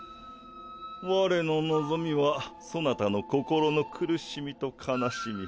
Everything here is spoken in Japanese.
我の望みはそなたの心の苦しみと悲しみ。